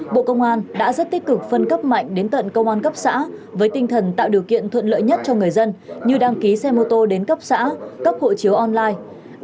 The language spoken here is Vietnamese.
bộ công an đã rất tích cực phân cấp mạnh đến tận công an cấp xã với tinh thần tạo điều kiện thuận lợi nhất cho người dân như đăng ký xe mô tô đến cấp xã cấp hộ chiếu online